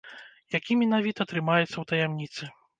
Які менавіта, трымаецца ў таямніцы.